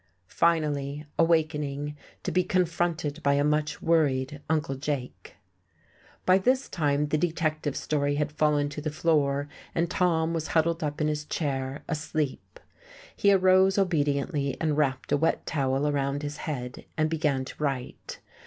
Finally, awakening, to be confronted by a much worried Uncle Jake. By this time the detective story had fallen to the floor, and Tom was huddled up in his chair, asleep. He arose obediently and wrapped a wet towel around his head, and began to write.